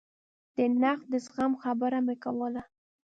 د نقد د زغم خبره مې کوله.